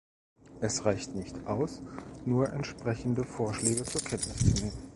Es reicht nicht aus, nur entsprechende Vorschläge zur Kenntnis zu nehmen.